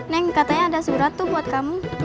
neng katanya ada surat tuh buat kamu